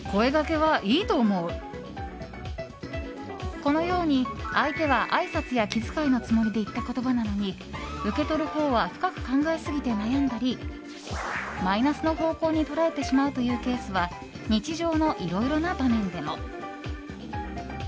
このように、相手はあいさつや気遣いのつもりで言った言葉なのに受け取るほうは深く考えすぎて悩んだりマイナスの方向に捉えてしまうというケースは日常のいろいろな場面でも。